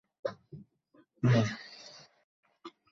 আমি যাতে এখানে ভালো থাকি, আরামে থাকি, বিসিবি সেটা খুব ভালোই দেখছে।